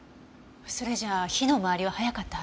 それじゃあ火の回りは早かったはずね。